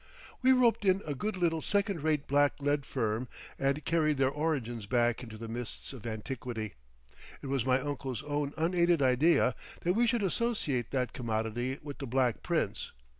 We roped in a good little second rate black lead firm, and carried their origins back into the mists of antiquity. It was my uncle's own unaided idea that we should associate that commodity with the Black Prince.